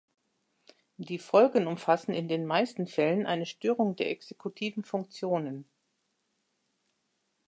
Die Folgen umfassen in den meisten Fällen eine Störung der exekutiven Funktionen.